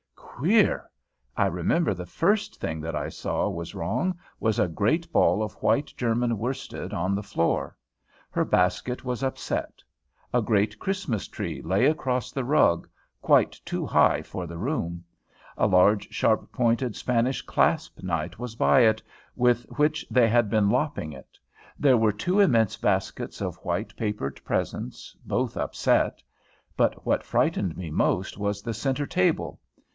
Queer! I remember the first thing that I saw was wrong was a great ball of white German worsted on the floor. Her basket was upset. A great Christmas tree lay across the rug, quite too high for the room; a large sharp pointed Spanish clasp knife was by it, with which they had been lopping it; there were two immense baskets of white papered presents, both upset; but what frightened me most was the centre table.